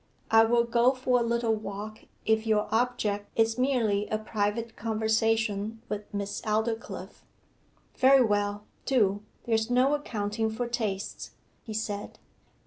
'I will go for a little walk if your object is merely a private conversation with Miss Aldclyffe.' 'Very well, do; there's no accounting for tastes,' he said.